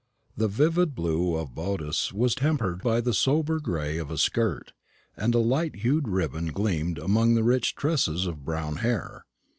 The vivid blue of a boddice was tempered by the sober gray of a skirt, and a bright hued ribbon gleamed among rich tresses of brown hair.